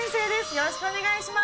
よろしくお願いします